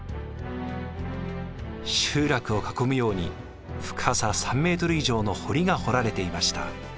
集落を囲むように深さ３ｍ以上の堀が掘られていました。